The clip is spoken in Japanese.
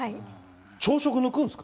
朝食抜くんですか？